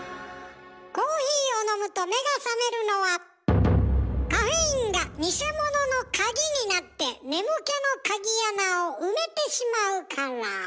コーヒーを飲むと目が覚めるのはカフェインが偽物の鍵になって眠気の鍵穴を埋めてしまうから。